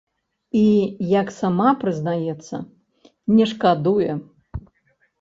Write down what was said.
І, як сама прызнаецца, не шкадуе.